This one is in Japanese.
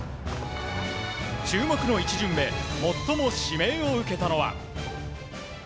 注目の１巡目最も指名を受けたのは。